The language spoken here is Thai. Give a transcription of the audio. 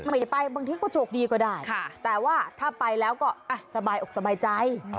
ไม่ได้ไปบางทีก็โชคดีก็ได้แต่ว่าถ้าไปแล้วก็สบายอกสบายใจ